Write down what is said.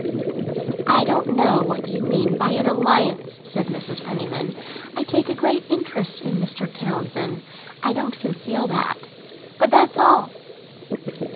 "I don't know what you mean by an alliance," said Mrs. Penniman. "I take a great interest in Mr. Townsend; I won't conceal that. But that's all."